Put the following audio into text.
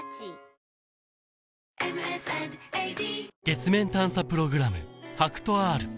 月面探査プログラム